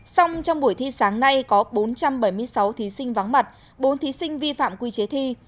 xong trong buổi thi sáng nay có bốn trăm bảy mươi sáu thí sinh vắng mặt bốn thí sinh vi phạm quy chế thi